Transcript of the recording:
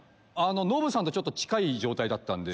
ノブさんと近い状態だったんで。